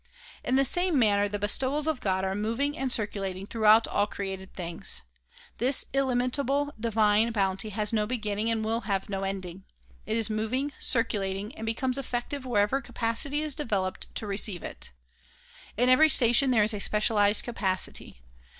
In the same manner the bestowals of God are moving and cir culating throughout all created things. This illimitable divine bounty has no beginning and will have no ending. It is moving, circulating and becomes effective wherever capacity is developed to receive it. In every station there is a specialized capacity.